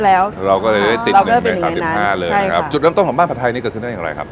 เราก็ได้ติด๑ใน๓๕เลยนะครับจุดเริ่มต้นของบ้านผัดไทยเกิดขึ้นด้วยอย่างไรครับ